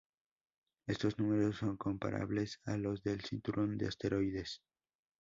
Estos números son comparables a los del cinturón de asteroides.